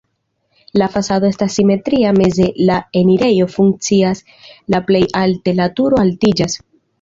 La fasado estas simetria, meze la enirejo funkcias, la plej alte la turo altiĝas.